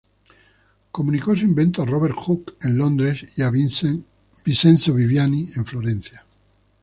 Comunicó su invento a Robert Hooke, en Londres y a Vincenzo Viviani, en Florencia.